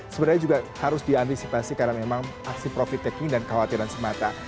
sebenarnya juga harus diantisipasi karena memang aksi profit taking dan kekhawatiran semata